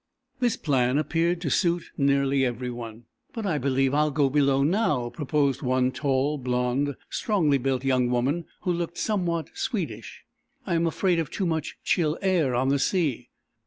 This plan appeared to suit nearly everyone. "But I believe I'll go below, now," proposed one tall, blond, strongly built young woman who looked somewhat Swedish. "I am afraid of too much chill air on the sea."